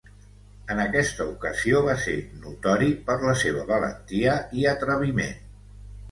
En aquesta ocasió va ser notori per la seva valentia i atreviment.